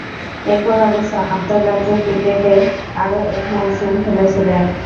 এরপর অবশ্য আন্তঃরাজ্য ক্রিকেটে আরও এক মৌসুম খেলেছিলেন।